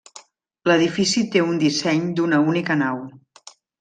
L'edifici té un disseny d'una única nau.